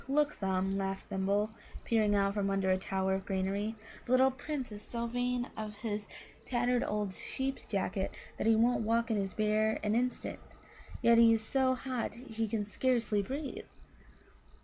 "Look, Thumb," laughed Thimble, peering out from under a tower of greenery, "the little Prince is so vain of his tattered old sheep's jacket that he won't walk in his bare an instant, yet he is so hot he can scarcely breathe."